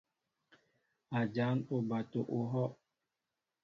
A jan oɓato ohɔʼ.